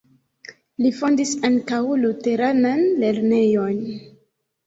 Li fondis ankaŭ luteranan lernejon.